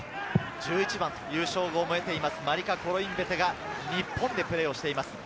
１１番という称号を得ています、マリカ・コロインベテが日本でプレーしています。